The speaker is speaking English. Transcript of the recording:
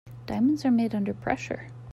Diamonds are made under pressure.